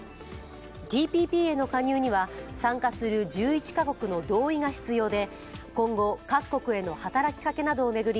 ＴＰＰへの加入には参加する１１カ国の同意が必要で今後、各国への働きかけなどを巡り